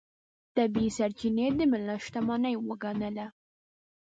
طبیعي سرچینې د ملت شتمنۍ وګڼله.